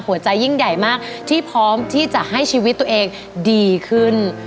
ยิ่งใหญ่มากที่พร้อมที่จะให้ชีวิตตัวเองดีขึ้น